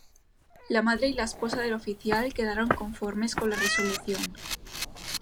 La madre y la esposa del oficial quedaron conformes con la resolución.